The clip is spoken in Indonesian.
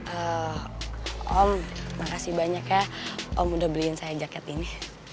om om makasih banyak ya om udah beliin saya jaket ini